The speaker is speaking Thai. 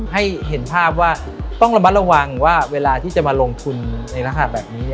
ให้เห็นภาพว่าต้องระมัดระวังว่าเวลาที่จะมาลงทุนในลักษณะแบบนี้